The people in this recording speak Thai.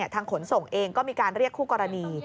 ขนส่งเองก็มีการเรียกคู่กรณี